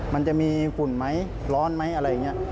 มันจะมีฝุ่นไหมร้อนไหมอะไรอย่างนี้